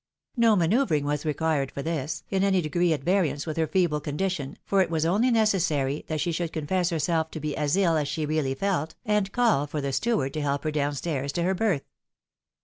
No manoeuvring was required for this, in any degree at variance with her feeble condition, for it was only necessary that she should confess her self to be as iU as she really felt, and call for the steward to help her down stairs to her berth.